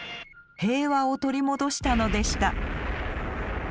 平和を取り戻したのでした。